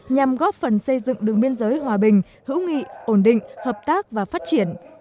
nhằm góp phần xây dựng đường biên giới hòa bình hữu nghị ổn định hợp tác và phát triển